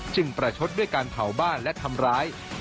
ประชดด้วยการเผาบ้านและทำร้าย